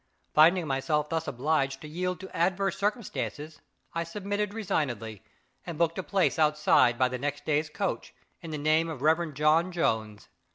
Finding myself thus obliged to yield to adverse circumstances, I submitted resignedly, and booked a place outside by the next day's coach, in the name of the Reverend John Jones.